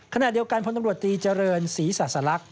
ขณะเดียวกันพลตำรวจตีเจริญศรีศาสลักษ